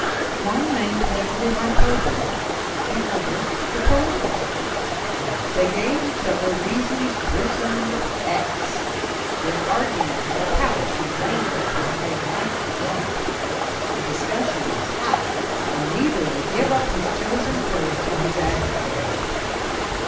One maintained the hyperbola, the other the parabola. They gave each other reasons bristling with x. Their arguments were couched in language which made Michel jump. The discussion was hot, and neither would give up his chosen curve to his adversary.